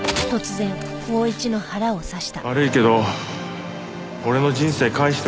悪いけど俺の人生返してもらう。